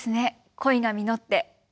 恋が実って。